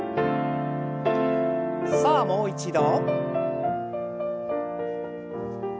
さあもう一度。